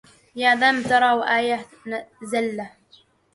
أي ذنب ترى وأية زله